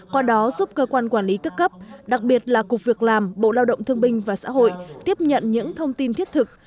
qua đó giúp cơ quan quản lý cấp cấp đặc biệt là cục việc làm bộ lao động thương binh và xã hội tiếp nhận những thông tin thiết thực